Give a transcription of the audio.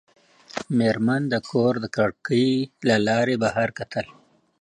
مېرمن د کور د کړکۍ له لارې بهر کتل.